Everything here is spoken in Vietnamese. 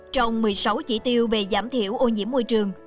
trong một mươi sáu chỉ tiêu về giảm thiểu ô nhiễm môi trường